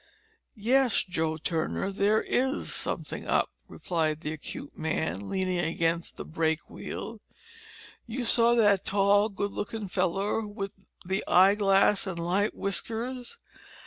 "Yes, Joe Turner, there is somethin' up," replied the acute man, leaning against the brake wheel. "You saw that tall good lookin' feller wi' the eyeglass and light whiskers?"